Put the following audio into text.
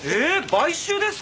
買収ですか？